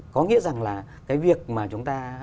có nghĩa rằng là cái việc mà chúng ta